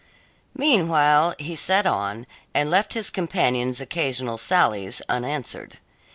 Meanwhile, he sat on and left his companion's occasional sallies unanswered.